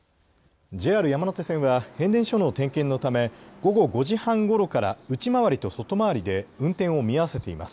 ＪＲ山手線は変電所の点検のため午後５時半ごろから内回りと外回りで運転を見合わせています。